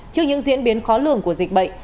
trước những diễn biến khó lường của dịch bệnh